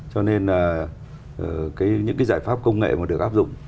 cho nên là những cái giải pháp công nghệ mà được